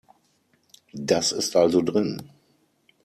Das ist also drin.